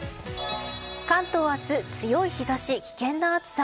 関東明日強い日差し、危険な暑さ。